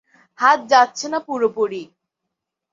হাত যাচ্ছে না পুরোপুরি।